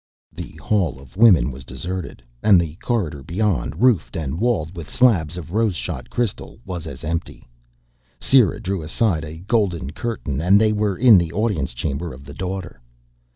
The Hall of Women was deserted. And the corridor beyond, roofed and walled with slabs of rose shot crystal, was as empty. Sera drew aside a golden curtain and they were in the audience chamber of the Daughter.